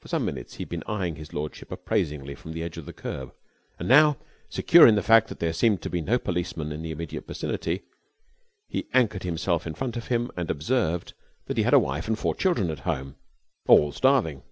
For some minutes he had been eyeing his lordship appraisingly from the edge of the kerb, and now, secure in the fact that there seemed to be no policeman in the immediate vicinity, he anchored himself in front of him and observed that he had a wife and four children at home, all starving.